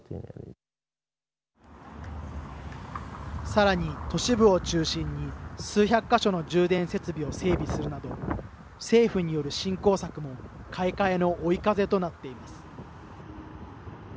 さらに都市部を中心に数百か所の充電設備を整備するなど政府による振興策も買い替えの追い風となっています。